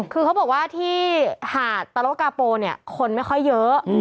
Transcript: คือเขาบอกว่าที่หาดตะโลกาโปเนี่ยคนไม่ค่อยเยอะ